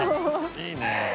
いいね。